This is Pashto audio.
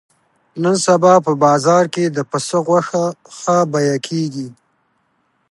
نن سبا په بازار کې د پسه غوښه ښه بیه کېږي.